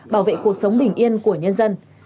bảo vệ cuộc sống bình yên của nhân dân